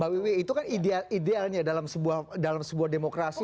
mbak wiwi itu kan idealnya dalam sebuah demokrasi